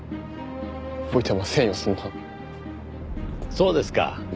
そうですか。